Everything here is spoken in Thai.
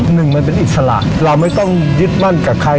หนึ่งมันเป็นอิสระเราไม่ต้องยึดมั่นกับใคร